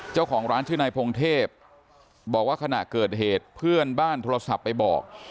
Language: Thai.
เจ้าของร้านชื่อนายพงเทพบอกว่าขณะเกิดเหตุเพื่อนบ้านโทรศัพท์ไปบอก